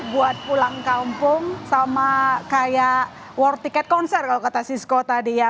buat pulang kampung sama kayak world ticket konser kalau kata sisco tadi ya